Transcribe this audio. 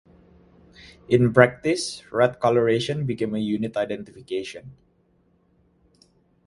In practice, red coloration became a unit identification.